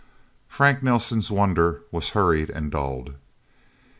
Frank Nelsen's wonder was hurried and dulled.